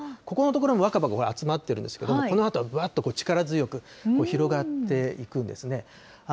ここの所、若葉が集まってるんですけれども、このあとはぶわっと力強く広がっていくんですね。